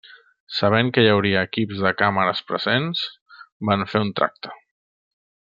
Sabent que hi hauria equips de càmeres presents, van fer un tracte.